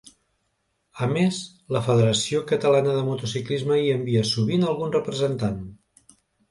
A més la Federació Catalana de Motociclisme hi envia sovint algun representant.